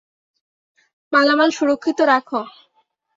মালামাল সুরক্ষিত রাখো।